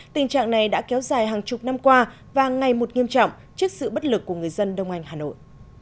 tình trạng này đã kéo dài hàng chục năm qua và ngày một nghiêm trọng trước sự bất lực của người dân đông anh hà nội